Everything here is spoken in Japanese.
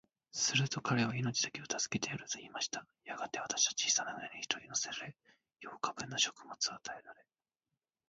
すると彼は、命だけは助けてやる、と言いました。やがて、私は小さな舟に一人乗せられ、八日分の食物を与えられ、